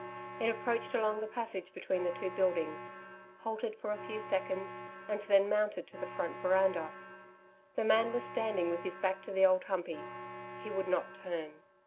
It approached along the passage between the two buildings, halted for a few seconds, and then mounted to the front veranda. The man was standing with his back to the Old Humpey. He would not turn.